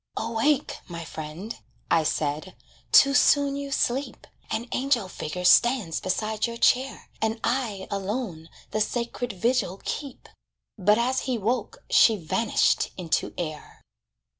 "Awake, my friend," I said, "too soon you sleep; An angel figure stands beside your chair, And I alone the sacred vigil keep." But as he woke, she vanished into air.